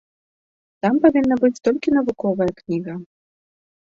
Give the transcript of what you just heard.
Там павінна быць толькі навуковая кніга.